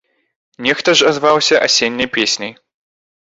Нехта ж азваўся асенняй песняй.